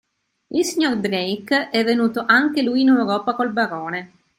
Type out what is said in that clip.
Il signor Drake è venuto anche lui in Europa col barone?